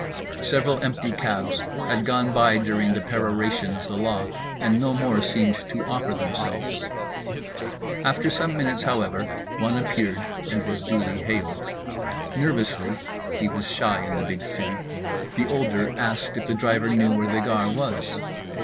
Several empty cabs had gone by during the peroration of the law, and no more seemed to offer themselves. After some minutes, however, one appeared and was duly hailed. Nervously (he was shy in the big city) the older asked if the driver knew where the Gare was.